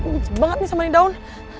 gue bener bener sama ini down